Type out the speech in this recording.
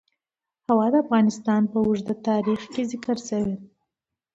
هوا د افغانستان په اوږده تاریخ کې ذکر شوی دی.